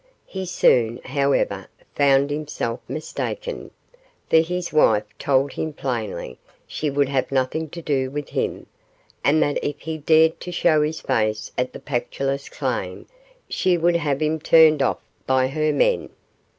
He soon, however, found himself mistaken, for his wife told him plainly she would have nothing to do with him, and that if he dared to show his face at the Pactolus claim she would have him turned off by her men.